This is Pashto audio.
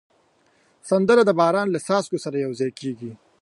سندره د باران له څاڅکو سره یو ځای کېږي